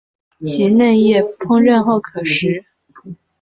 其嫩叶烹饪后可食。